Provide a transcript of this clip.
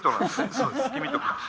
そうです。